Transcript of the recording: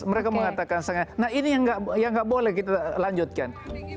mereka mengatakan nah ini yang nggak boleh kita lanjutkan